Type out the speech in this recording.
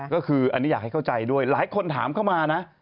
ก็คืออันนี้อยากให้เข้าใจด้วยหลายคนถามเข้ามานะ